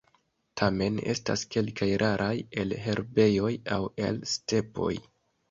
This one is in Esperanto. Tamen estas kelkaj raraj el herbejoj aŭ el stepoj.